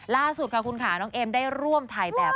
ล่าสุดค่ะคุณค่ะน้องเอมได้ร่วมถ่ายแบบ